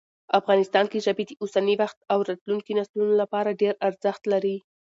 افغانستان کې ژبې د اوسني وخت او راتلونکي نسلونو لپاره ډېر ارزښت لري.